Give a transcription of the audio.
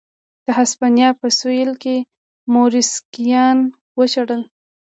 د هسپانیا په سوېل کې موریسکیان وشړل.